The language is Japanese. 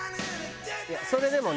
それでもね。